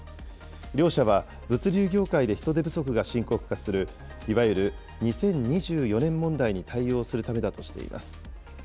両社は、物流業界で人手不足が深刻化する、いわゆる２０２４年問題に対応するためだとしています。